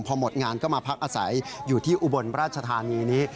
พอหมดงานก็มาพักอาศัยอยู่ที่อุบลราชธานีนี้